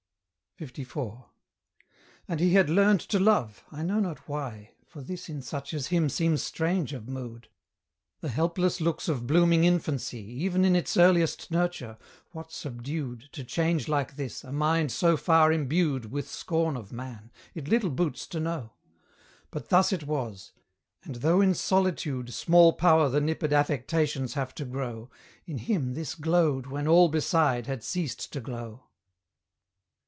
LIV. And he had learned to love, I know not why, For this in such as him seems strange of mood, The helpless looks of blooming infancy, Even in its earliest nurture; what subdued, To change like this, a mind so far imbued With scorn of man, it little boots to know; But thus it was; and though in solitude Small power the nipped affections have to grow, In him this glowed when all beside had ceased to glow.